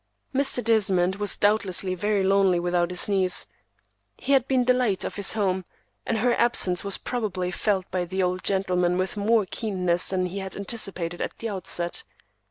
Mr. Desmond was doubtless very lonely without his niece. She had been the light of his home, and her absence was probably felt by the old gentleman with more keenness than he had anticipated at the outset.